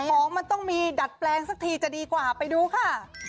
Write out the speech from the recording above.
ของมันต้องมีดัดแปลงสักทีจะดีกว่าไปดูค่ะ